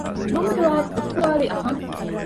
މަންމަގެ ވާހަކަ ހުއްޓުވާލީ އަހަން